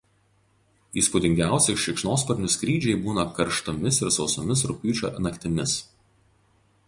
Įspūdingiausi šikšnosparnių skrydžiai būna karštomis ir sausomis rugpjūčio naktimis.